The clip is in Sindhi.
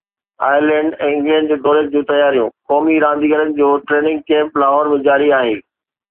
آئرلينڊ ۽ انگلينڊ جي دوري جون تياريون، قومي رانديگرن جو ٽريننگ ڪيمپ لاهور ۾ جاري آهي